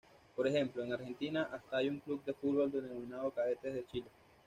Por ejemplo en Argentina hasta hay un club de fútbol denominado "Cadetes de Chile".